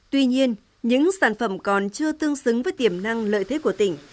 tuy nhiên những sản phẩm còn chưa tương xứng với tiềm năng lợi thế của tỉnh